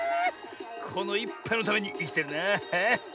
このいっぱいのためにいきてるな。